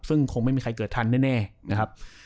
ซึ่งคงไม่มีใครเกิดทันแน่นะครับ